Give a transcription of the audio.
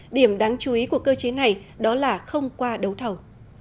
điểm đáng chú ý của cơ chế này đó là không qua đấu thầu